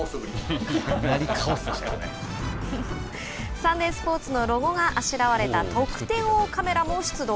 サンデースポーツのロゴがあしらわれた得点王カメラも出動。